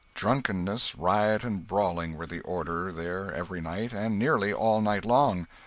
Drunkenness, riot and brawling were the order, there, every night and nearly all night long.